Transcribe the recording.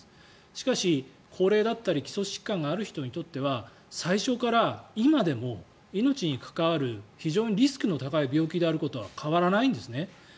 しかし、高齢だったり基礎疾患がある人にとっては最初から今でも命に関わる非常にリスクの高い病気であることは変わらないんですね。